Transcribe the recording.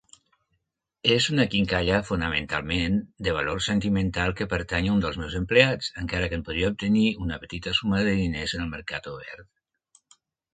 És una quincalla fonamentalment de valor sentimental que pertany a un dels meus empleats, encara que en podria obtenir una petita suma de diners en el mercat obert.